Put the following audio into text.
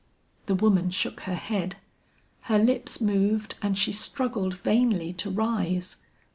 The woman shook her head, her lips moved and she struggled vainly to rise.